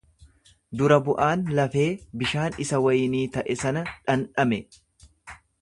Dura-bu'aan lafee bishaan isa waynii ta'e sana dhandhame.